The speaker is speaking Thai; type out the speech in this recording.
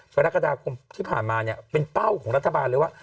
กรกฎาคมที่ผ่านมาเนี่ยเป็นเป้าของรัฐบาลเลยว่า